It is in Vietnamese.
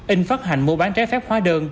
in phát hành mua bán trái phép hóa đơn